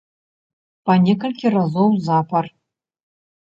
Па некалькі разоў запар.